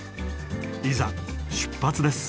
いざ出発です。